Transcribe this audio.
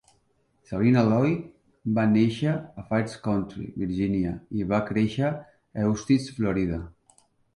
Sabrina Lloyd va néixer a Fairfax County, Virginia, i va créixer a Eustis, Florida.